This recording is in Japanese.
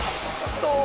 そう。